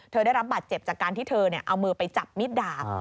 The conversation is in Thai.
ได้รับบาดเจ็บจากการที่เธอเอามือไปจับมิดดาบ